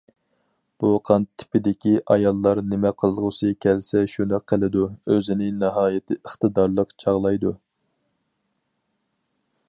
بۇ قان تىپىدىكى ئاياللار نېمە قىلغۇسى كەلسە شۇنى قىلىدۇ، ئۆزىنى ناھايىتى ئىقتىدارلىق چاغلايدۇ.